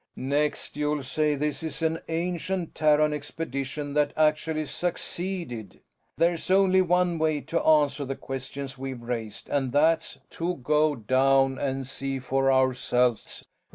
"Next you'll say this is an ancient Terran expedition that actually succeeded! There's only one way to answer the questions we've raised, and that's to go down and see for ourselves.